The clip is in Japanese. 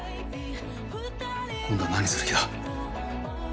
今度は何する気だ？